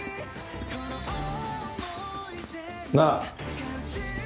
なあ。